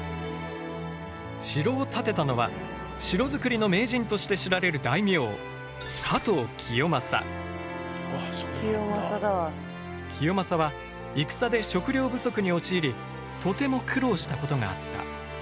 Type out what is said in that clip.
城を建てたのは城づくりの名人として知られる大名清正は戦で食料不足に陥りとても苦労したことがあった。